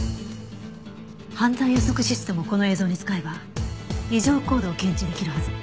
犯罪予測システムをこの映像に使えば異常行動を検知できるはず。